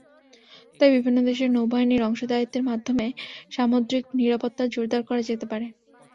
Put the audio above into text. তাই বিভিন্ন দেশের নৌবাহিনীর অংশীদারত্বের মাধ্যমে সামুদ্রিক নিরাপত্তা জোরদার করা যেতে পারে।